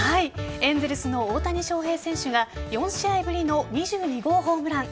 エンゼルスの大谷翔平選手が４試合ぶりの２２号ホームラン。